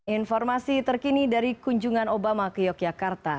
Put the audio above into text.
informasi terkini dari kunjungan obama ke yogyakarta